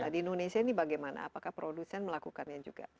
di indonesia ini bagaimana apakah produsen melakukannya juga